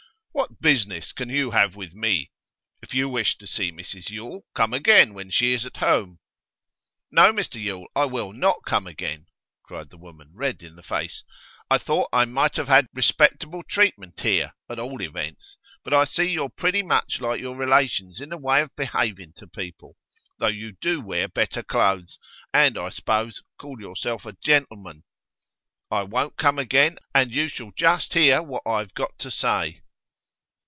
'What business can you have with me? If you wish to see Mrs Yule, come again when she is at home.' 'No, Mr Yule, I will not come again!' cried the woman, red in the face. 'I thought I might have had respectable treatment here, at all events; but I see you're pretty much like your relations in the way of behaving to people, though you do wear better clothes, and I s'pose call yourself a gentleman. I won't come again, and you shall just hear what I've got to say.